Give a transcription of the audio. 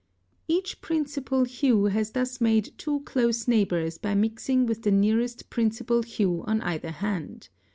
] (59) Each principal hue has thus made two close neighbors by mixing with the nearest principal hue on either hand.